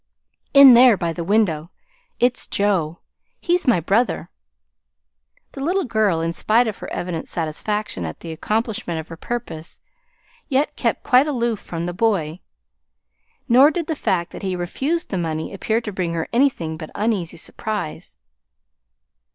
"In there by the window. It's Joe. He's my brother." The little girl, in spite of her evident satisfaction at the accomplishment of her purpose, yet kept quite aloof from the boy. Nor did the fact that he refused the money appear to bring her anything but uneasy surprise.